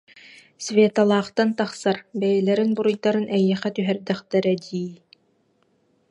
Светалаахтан тахсар, бэйэлэрин буруйдарын эйиэхэ түһэрдэхтэрэ дии